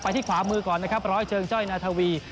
ไปที่ขวามือก่อนนะครับร้อยเชิงเว๊ยทราวี